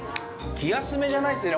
◆気休めじゃないですね。